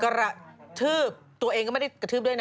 กระทืบตัวเองก็ไม่ได้กระทืบด้วยนะ